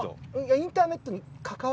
インターネットに関わる。